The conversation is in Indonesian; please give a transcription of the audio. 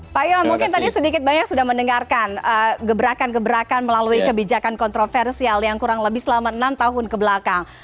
pak yong mungkin tadi sedikit banyak sudah mendengarkan gebrakan gebrakan melalui kebijakan kontroversial yang kurang lebih selama enam tahun kebelakang